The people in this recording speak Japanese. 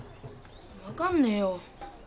分かんねえよ。